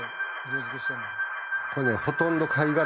これねほとんど貝殻？